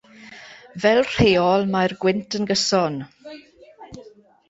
Fel rheol, mae'r gwynt yn gyson.